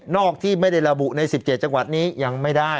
ที่ไม่ได้ระบุใน๑๗จังหวัดนี้ยังไม่ได้